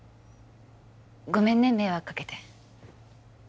ごめんね迷惑かけて